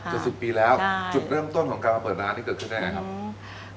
จะสิบปีแล้วจุดเริ่มต้นของเปิดร้านขยับทำยังไงครับ